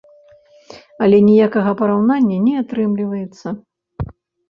Але ніякага параўнання не атрымліваецца.